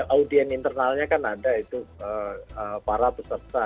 audien internalnya kan ada itu para peserta